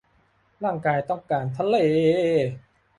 ร่างกายต้องการทะเล